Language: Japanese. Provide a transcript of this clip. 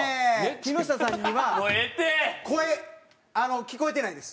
木下さんには声聞こえてないです。